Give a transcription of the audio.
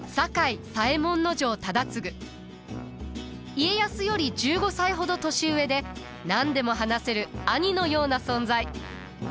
家康より１５歳ほど年上で何でも話せる兄のような存在。